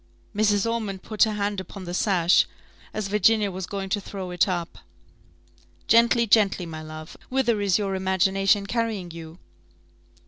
Mrs. Ormond put her hand upon the sash, as Virginia was going to throw it up "Gently, gently, my love whither is your imagination carrying you?"